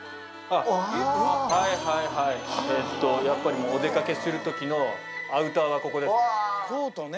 やっぱりお出掛けする時のアウターはここですね。